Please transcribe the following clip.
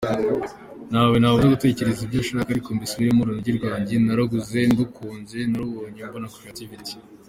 Ntawe nabuza gutekereza ibyo ashaka, ariko mbisubiremo, urunigi rwanjye naruguze ndukunze, nararubonye mbona creativity.